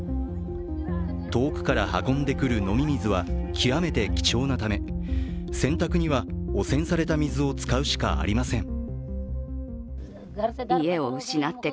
遠くから運んでくる飲み水は極めて貴重なため洗濯には汚染された水を使うしかありません。